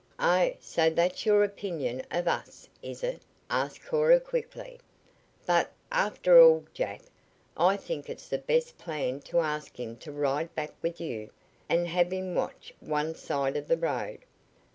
"Oh, so that's your opinion of us, is it?" asked Cora quickly. "But, after all, Jack, I think it's the best plan to ask him to ride back with you, and have him watch one side of the road.